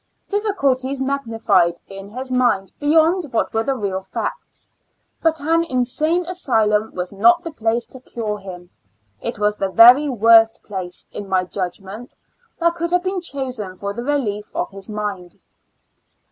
Difficulties magnified in his mind beyond what were the real facts. But an insane asylum was not the place to cure him ; it was the very worst place, in my judgment, that could have been chosen for the relief of his mind.